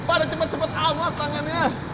pada cepat cepat amat tangannya